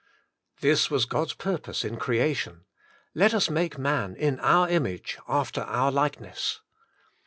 This was God's purpose in creation, "Let us make man in our image, after our likeness."